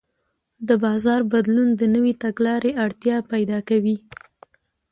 د بازار بدلون د نوې تګلارې اړتیا پیدا کوي.